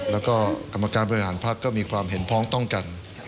แล้วก็กรรมการบริหารพักก็มีความเห็นพ้องต้องกัน